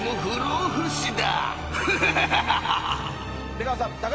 出川さん。